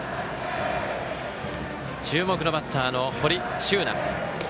注目のバッターの堀柊那。